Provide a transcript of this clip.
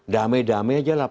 dame dame aja lah